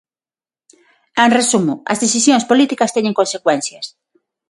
En resumo, as decisións políticas teñen consecuencias.